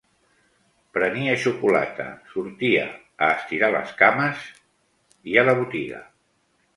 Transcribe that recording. Prenia xocolata, sortia a estirar les cames... i a la botiga